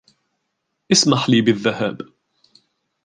اسمح لي بالذهاب.